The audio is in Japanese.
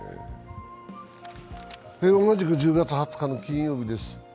同じく１０月２０日の金曜日です。